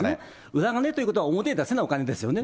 裏金ということは表に出せないお金ですよね。